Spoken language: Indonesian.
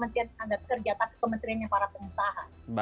tapi kementeriannya para pengusaha